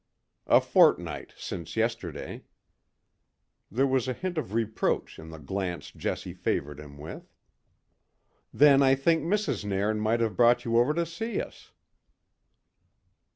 "A fortnight, since yesterday." There was a hint of reproach in the glance Jessie favoured him with. "Then I think Mrs. Nairn might have brought you over to see us."